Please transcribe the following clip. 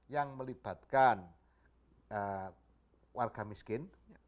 yang melibatkan warga miskin